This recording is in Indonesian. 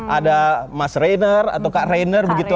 ada mas rainer atau kak rainer begitu